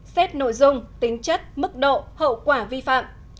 xét nội dung tính chất mức độ hậu quả vi phạm